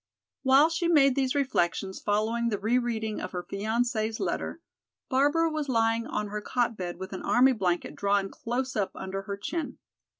While she made these reflections following the rereading of her fiancé's letter, Barbara was lying on her cot bed with an army blanket drawn close up under her chin.